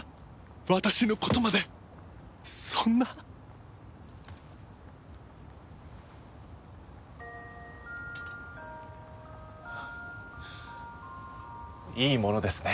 私のことまでそんないいものですね